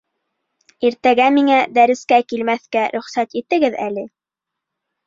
Иртәгә миңә дәрескә килмәҫкә рөхсәт итегеҙ әле